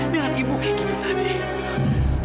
dengan ibu kayak gitu tadi